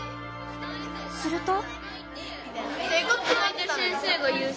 すると。